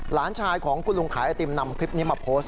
หลานชายของคุณลุงขายไอติมนำคลิปนี้มาโพสต์